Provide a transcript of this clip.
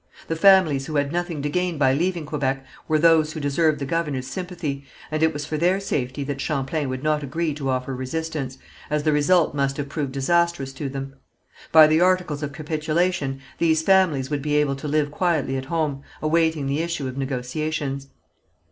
The families who had nothing to gain by leaving Quebec were those who deserved the governor's sympathy, and it was for their safety that Champlain would not agree to offer resistance, as the result must have proved disastrous to them. By the articles of capitulation these families would be able to live quietly at home, awaiting the issue of negotiations.